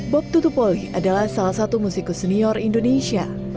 bob tutupoli adalah salah satu musikus senior indonesia